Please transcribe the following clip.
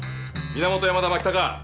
源山田牧高